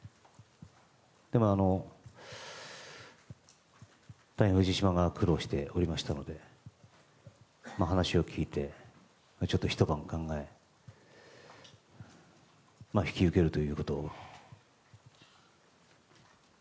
でも、大変藤島が苦労しておりましたので話を聞いてちょっと、ひと晩考えて引き受けました。